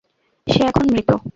সে এখন মৃত।